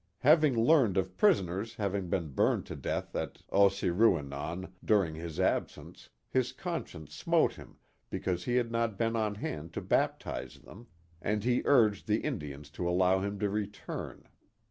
Having learned of prisoners having been burned to death at Os se ru e non, dur ing his absence, his conscience smote him because he had not been on hand to baptize them, and he urged the Indians to al low him to return.